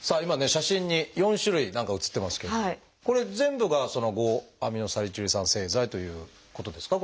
写真に４種類何か写ってますけれどもこれ全部が５−アミノサリチル酸製剤ということですか？